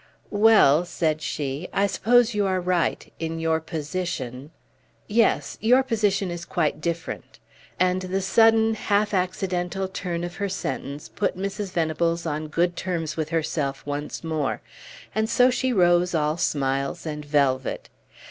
"Well," said she, "I suppose you are right. In your position yes your position is quite different!" And the sudden, half accidental turn of her sentence put Mrs. Venables on good terms with herself once more; and so she rose all smiles and velvet.